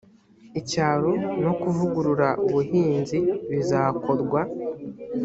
icyaro no kuvugurura ubuhinzi bizakorwa